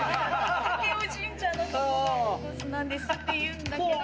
武雄神社の大楠なんですって言うんだけど。